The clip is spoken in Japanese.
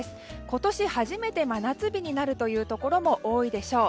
今年初めて真夏日になるというところも多いでしょう。